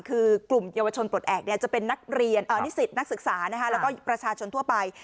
คือกลุ่มเยาวชนปลดแอบจะเป็นนักเรียนนิสิตนักศึกษาแล้วก็ประชาชนทั่วไป